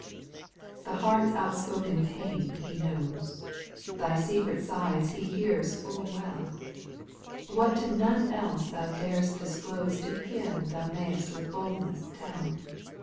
J 4. The heart's outspoken pain He knows, Thy secret sighs He hears full w^ell. What to none else thou dar'st disclose To Him thou may'st with boldness tell.